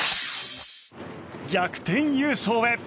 逆転優勝へ。